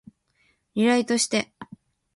リライトして